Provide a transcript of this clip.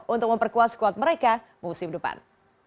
untuk memperkuat squad mereka musim depan